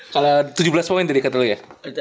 kalah tujuh belas poin tadi kata lo ya